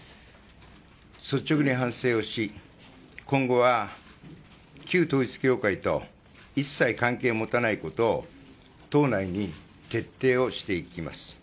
率直に反省をし今後は、旧統一教会と一切関係を持たないことを党内に徹底をしていきます。